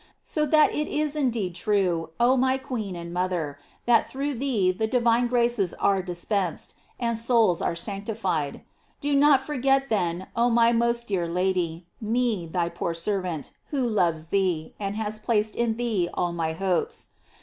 So that it is indeed true, oh my queen and mother, that through thee the divine graces are dispensed, and souls are sancti fied. Do not forget, then, oh my most dear Lady, me, thy poor servant, who loves thee, and has placed in thee all my hopes.